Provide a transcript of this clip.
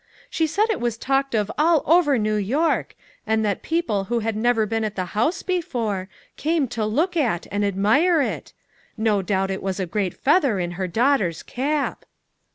She said it was talked of all over New York, and that people who had never been at the house before, came to look at and admire it. No doubt it was a great feather in her daughter's cap."